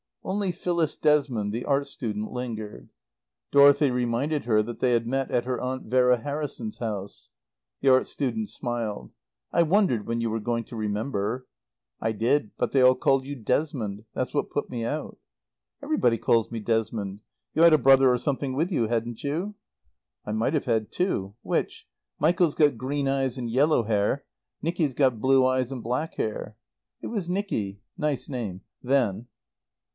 Only Phyllis Desmond, the art student, lingered. Dorothy reminded her that they had met at her aunt Vera Harrison's house. The art student smiled. "I wondered when you were going to remember." "I did, but they all called you Desmond. That's what put me out." "Everybody calls me Desmond. You had a brother or something with you, hadn't you?" "I might have had two. Which? Michael's got green eyes and yellow hair. Nicky's got blue eyes and black hair." "It was Nicky nice name then."